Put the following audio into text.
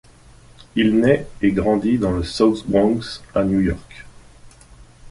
Il naît et grandit dans le South Bronx, à New York.